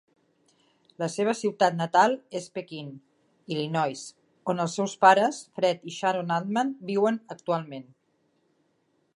La seva ciutat natal és Pekin, Illinois, on els seus pares, Fred i Sharon Altman, viuen actualment.